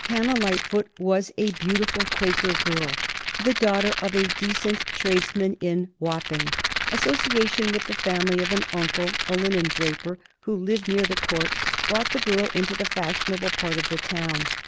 Hannah Lightfoot was a beautiful Quaker girl, the daughter of a decent tradesman in Wapping. Association with the family of an uncle, a linendraper, who lived near the Court, brought the girl into the fashionable part of the town.